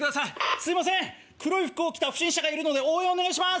すいません黒い服を着た不審者がいるので応援お願いします。